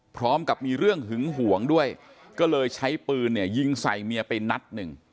พร้อมกับมีเรื่องหึงหวงด้วยก็เลยใช้ปืนเนี่ยยิงใส่เมียไปนัดหนึ่ง